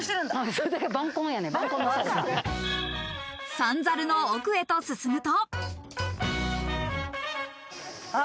三猿の奥へと進むと。